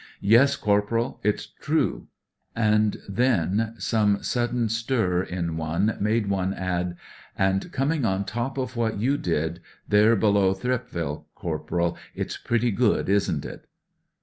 " Yes, Corporal ; it's true." And then some sudden stir in one m&de one add : "And coming on top of what you did, there below Thi^pval, Corporal, it's pretty good, isn't it